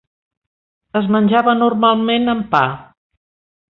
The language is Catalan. Es menjava normalment amb pa.